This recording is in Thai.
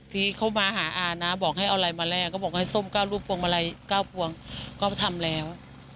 ที่เขามาหาอานะบอกให้เอาอะไรมาแลกก็บอกให้ส้ม๙รูปพวงมาลัย๙พวงก็ทำแล้ว